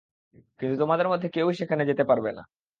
কিন্তু তোমাদের মধ্যে কেউই সেখানে যেতে পাবে না।